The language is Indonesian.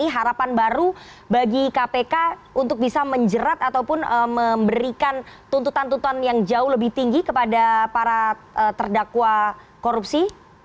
harapan baru bagi kpk untuk bisa menjerat ataupun memberikan tuntutan tuntutan yang jauh lebih tinggi kepada para terdakwa korupsi